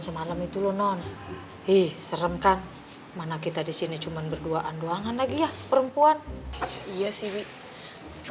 semalam itu non ih serem kan mana kita di sini cuman berduaan doang anaknya perempuan iya sih